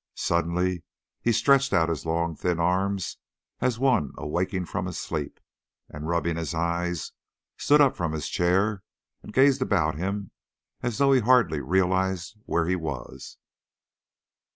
Suddenly he stretched out his long thin arms, as one awaking from sleep, and rubbing his eyes, stood up from his chair and gazed about him as though he hardly realised where he was.